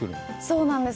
そうなんです。